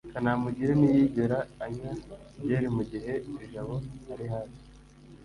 kanamugire ntiyigera anywa byeri mugihe jabo ari hafi